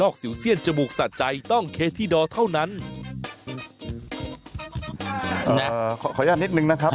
ขออนุญาตนิดนึงนะครับ